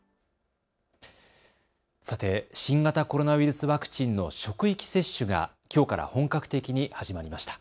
さて、新型コロナウイルスワクチンの職域接種がきょうから本格的に始まりました。